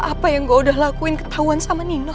apa yang gue udah lakuin ketahuan sama nino